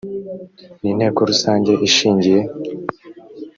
n inteko rusange ishingiye